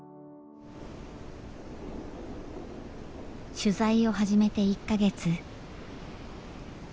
取材を始めて１か月。